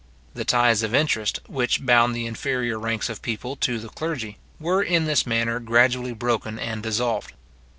The ties of interest, which bound the inferior ranks of people to the clergy, were in this manner gradually broken and dissolved.